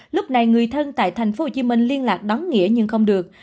lúc này người thân tại thành phố hồ chí minh liên lạc đón nghĩa nhưng không được